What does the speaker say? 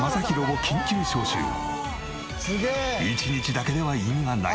１日だけでは意味がない。